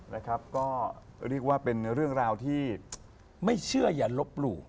นะครับก็เรียกว่าเป็นเรื่องราวที่ไม่เชื่ออย่าลบหลู่